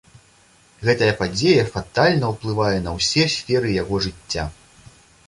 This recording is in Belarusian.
Гэтая падзея фатальна ўплывае на ўсе сферы яго жыцця.